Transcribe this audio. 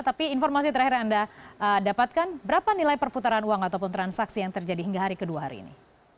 tapi informasi terakhir yang anda dapatkan berapa nilai perputaran uang ataupun transaksi yang terjadi hingga hari kedua hari ini